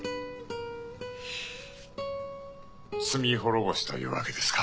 罪滅ぼしというわけですか。